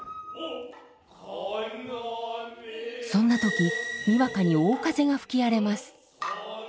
そんな時にわかに大風が吹き荒れます。